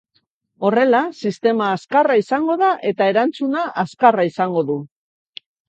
Horrela, sistema azkarra izango da eta erantzuna azkarra izango du,.